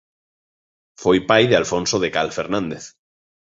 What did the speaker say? Foi pai de Alfonso de Cal Fernández.